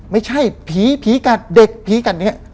ไม่ใช่ผีผีกัดเด็กผีกัดเนี่ย